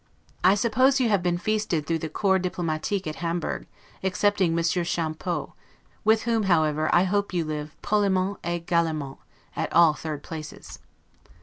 I suppose you 'have been feasted through the Corps diplomatique at Hamburg, excepting Monsieur Champeaux; with whom, however, I hope you live 'poliment et galamment', at all third places.